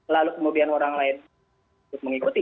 lalu kemudian orang lain mengikuti